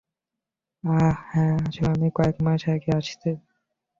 আহ, হ্যাঁ আসলে আমি কয়েক মাস আগে আসছি।